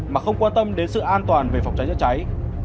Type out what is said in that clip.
mà không quan tâm đến sự an toàn về phòng cháy chữa cháy